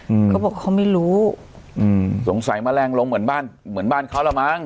เขาบอกเขาไม่รู้อืมสงสัยแมลงลงเหมือนบ้านเหมือนบ้านเขาละมั้ง